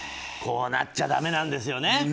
こうなっちゃだめなんですよね。